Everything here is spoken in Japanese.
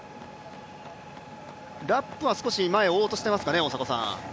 ラップは少し前を追おうとしていますかね。